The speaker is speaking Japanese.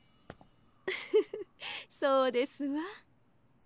ウフフそうですわ。